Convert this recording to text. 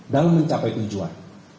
dalam mencapai tujuan